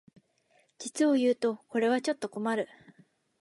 実をいうとこれはちょっと困る